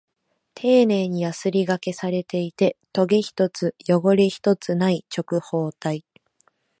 丁寧にヤスリ掛けされていて、トゲ一つ、汚れ一つない直方体。